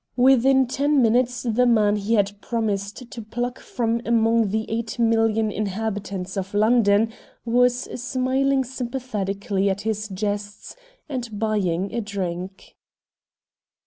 Within ten minutes the man he had promised to pluck from among the eight million inhabitants of London was smiling sympathetically at his jests and buying a drink.